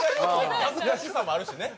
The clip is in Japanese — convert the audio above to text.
恥ずかしさもあるしね。